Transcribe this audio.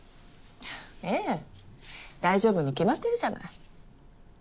ええ大丈夫に決まってるじゃない。